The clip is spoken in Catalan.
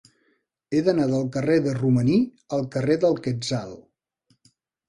He d'anar del carrer de Romaní al carrer del Quetzal.